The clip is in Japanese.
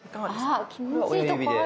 あ気持ちいいとこある。